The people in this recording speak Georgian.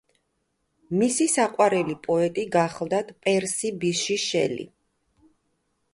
მისი საყვარელი პოეტი გახლდათ პერსი ბიში შელი.